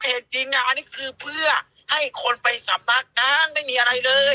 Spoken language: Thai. เหตุจริงอันนี้คือเพื่อให้คนไปสำนักนั้นไม่มีอะไรเลย